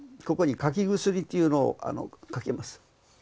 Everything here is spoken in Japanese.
ここに柿薬というのをかけます。